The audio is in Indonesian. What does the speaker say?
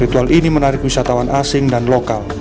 ritual ini menarik wisatawan asing dan lokal